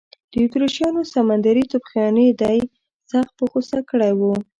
د اتریشیانو سمندري توپخانې دی سخت په غوسه کړی و.